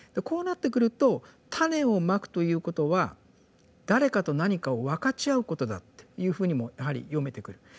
こうなってくると種を蒔くということは誰かと何かを分かち合うことだっていうふうにもやはり読めてくる。